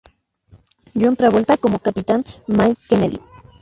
John Travolta como Capitán Mike Kennedy.